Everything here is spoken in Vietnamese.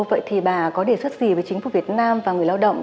vậy thì bà có đề xuất gì với chính phủ việt nam và người lao động